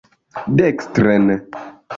Dekstren!